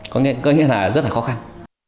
có nghĩa là rất là khó khăn